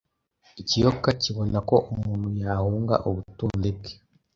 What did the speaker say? Ikiyoka kibona ko umuntu yahunga ubutunzi bwe